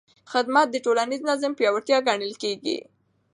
خدمت د ټولنیز نظم پیاوړتیا ګڼل کېږي.